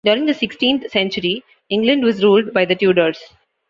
During the sixteenth century England was ruled by the Tudors.